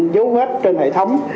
giấu hết trên hệ thống